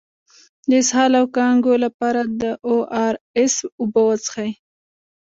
د اسهال او کانګو لپاره د او ار اس اوبه وڅښئ